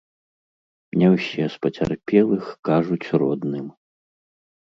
Не ўсе з пацярпелых кажуць родным.